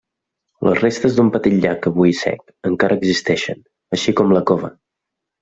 Les restes d'un petit llac avui sec encara existeixen, així com la cova.